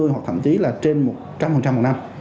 hoặc thậm chí là trên một trăm linh một năm